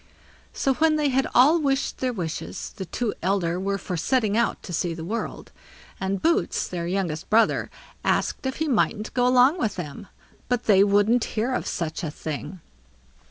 So, when they had all wished their wishes, the two elder were for setting out to see the world; and Boots, their youngest brother, asked if he mightn't go along with them; but they wouldn't hear of such a thing.